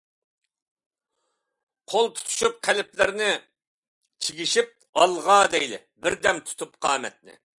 قول تۇتۇشۇپ قەلبلەرنى چىگىشىپ، «ئالغا! » دەيلى بەردەم تۇتۇپ قامەتنى.